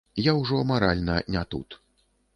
Я ўжо маральна не тут.